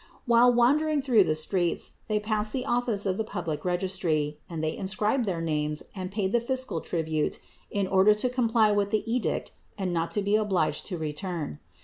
While wandering through the streets they passed the office of the public registry and they inscribed their names and paid the fiscal tribute in order to comply with the edict and not be obliged to return.